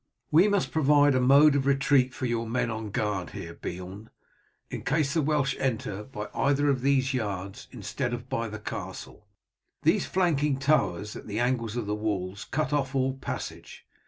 "We must provide a mode of retreat for your men on guard here, Beorn, in case the Welsh enter by either of these yards instead of by the castle. These flanking towers at the angles of the walls cut off all passage.